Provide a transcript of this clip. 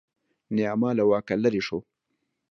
نیاما له واکه لرې شو.